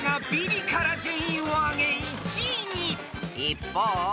［一方］